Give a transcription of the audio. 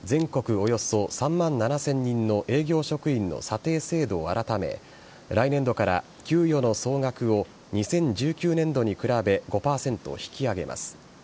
およそ３万７０００人の営業職員の査定制度を改め、来年度から給与の総額を２０１９年度に比べ５％引き上げます。